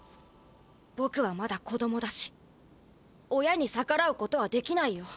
ぼくはまだ子どもだし親にさからうことはできないよ。